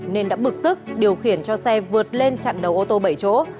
nên đã bực tức điều khiển cho xe vượt lên chặn đầu ô tô bảy chỗ